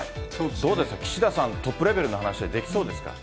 どうですか、岸田さん、トップレベルの話でできそうですか。